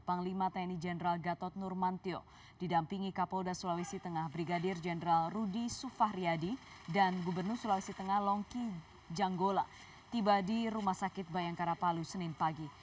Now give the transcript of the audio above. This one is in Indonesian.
panglima tni jenderal gatot nurmantio didampingi kapolda sulawesi tengah brigadir jenderal rudy sufahriyadi dan gubernur sulawesi tengah longki janggola tiba di rumah sakit bayangkara palu senin pagi